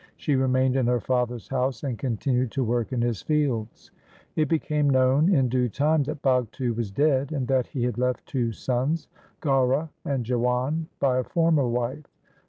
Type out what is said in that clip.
She remained in her father's house and continued to work in his fields. It became known in due time that Bhagtu was dead, and that he had left two sons, Gaura and Jiwan, by a former wife.